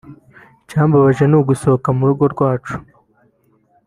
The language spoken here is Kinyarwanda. « Icyambabaje ni ugusohoka mu rugo iwacu